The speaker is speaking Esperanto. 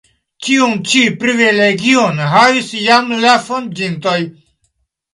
Tiun ĉi privilegion havis jam la fondintoj.